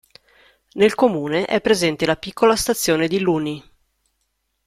Nel comune è presente la piccola stazione di Luni.